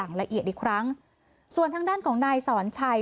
ให้ส่งลูกสาวเนี่ยไปตรวจอย่างละเอียดอีกครั้งส่วนทางด้านของนายสอนชัย